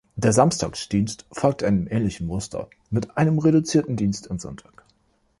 Der Samstagsdienst folgt einem ähnlichen Muster mit einem reduzierten Dienst am Sonntag.